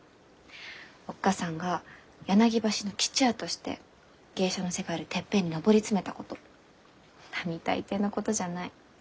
おっ母さんが柳橋の吉也として芸者の世界でてっぺんに上り詰めたこと並大抵のことじゃない。